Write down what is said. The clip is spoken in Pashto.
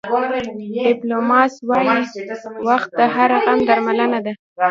ډیپایلوس وایي وخت د هر غم درملنه ده.